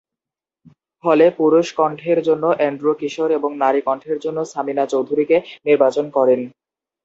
ফলে পুরুষ কণ্ঠের জন্য এন্ড্রু কিশোর এবং নারী কণ্ঠের জন্য সামিনা চৌধুরীকে নির্বাচন করেন।